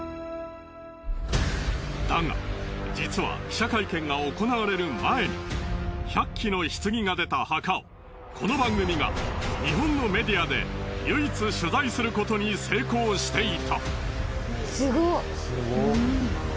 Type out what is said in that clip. だが実は記者会見が行われる前に１００基の棺が出た墓をこの番組が日本のメディアで唯一取材することに成功していた。